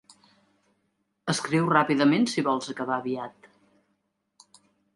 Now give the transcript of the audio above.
Escriu ràpidament si vols acabar aviat.